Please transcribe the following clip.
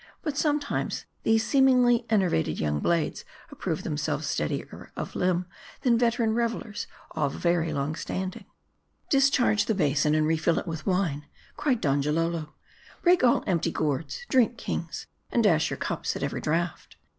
But, sometimes these seemingly enervated young blades approve themselves steadier of lirnb, than veteran revelers of very long standing. " Discharge the basin, and refill it with wine," cried Donjalolo. " Break all empty gourds ! Drink, kings, and dash your cups at every draught."